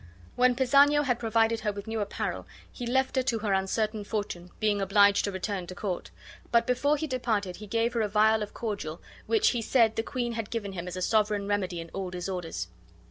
When Pisanio had provided her with her new apparel he left her to her uncertain fortune, being obliged to return to court; but before he departed he gave her a vial of cordial, which he said the queen had given him as a sovereign remedy in all disorders.